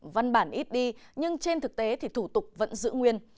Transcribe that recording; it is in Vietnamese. văn bản ít đi nhưng trên thực tế thì thủ tục vẫn giữ nguyên